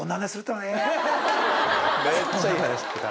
めっちゃいい話聞けた。